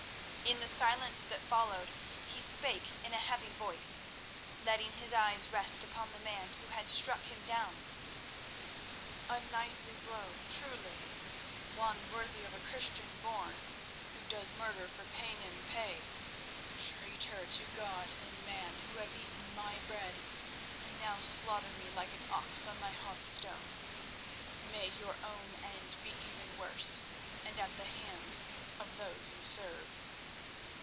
In the silence that followed he spoke in a heavy voice, letting his eyes rest upon the man who had struck him down. "A knightly blow, truly; one worthy of a Christian born who does murder for Paynim pay! Traitor to God and man, who have eaten my bread and now slaughter me like an ox on my hearth stone, may your own end be even worse, and at the hands of those you serve."